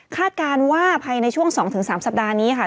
การว่าภายในช่วง๒๓สัปดาห์นี้ค่ะ